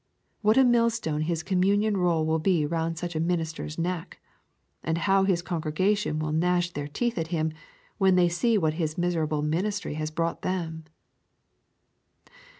What a mill stone his communion roll will be round such a minister's neck! And how his congregation will gnash their teeth at him when they see to what his miserable ministry has brought them!